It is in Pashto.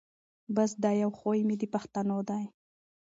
بس دا یو خوی مي د پښتنو دی